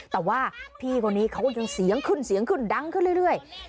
แต่ว่าพี่คนนี้เขายังเสียงขึ้นดังขึ้นเรื่อย